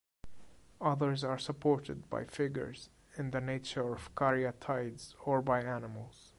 Others are supported by figures in the nature of caryatides or by animals.